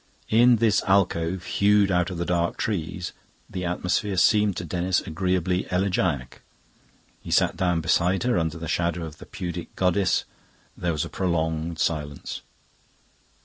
In this alcove hewed out of the dark trees, the atmosphere seemed to Denis agreeably elegiac. He sat down beside her under the shadow of the pudic goddess. There was a prolonged silence.